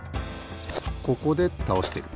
ここでたおしてる。